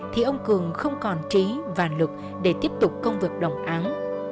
thì ông cường không còn trí và lực để tiếp tục công việc đồng án